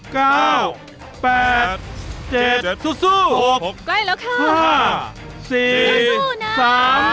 ใกล้แล้วค่ะ